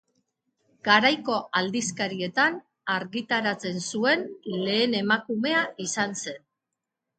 Garaiko aldizkarietan argitaratzen zuen lehen emakumea izan zen.